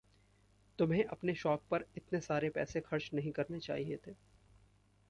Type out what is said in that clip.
तुम्हें अपने शौक पर इतने सारे पैसे खर्च नहीं करने चाहिए थे।